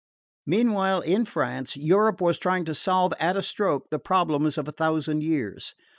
Meanwhile, in France, Europe was trying to solve at a stroke the problems of a thousand years.